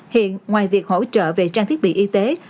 hiện ngoài việc hỗ trợ về trang thiết bị y tế